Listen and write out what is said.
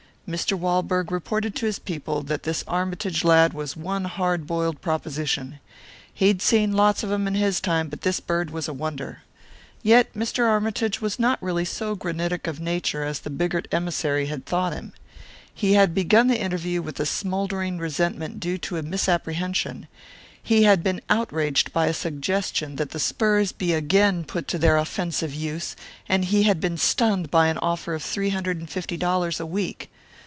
Mr. Walberg reported to his people that this Armytage lad was one hard boiled proposition. He'd seen lots of 'em in his time, but this bird was a wonder. Yet Mr. Armytage was not really so granitic of nature as the Bigart emissary had thought him. He had begun the interview with a smouldering resentment due to a misapprehension; he had been outraged by a suggestion that the spurs be again put to their offensive use; and he had been stunned by an offer of three hundred and fifty dollars a week.